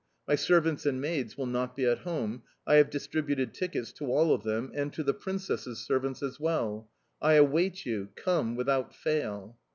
My servants and maids will not be at home; I have distributed tickets to all of them, and to the princess's servants as well. I await you; come without fail."